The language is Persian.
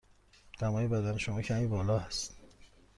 دمای بدن شما کمی بالا است.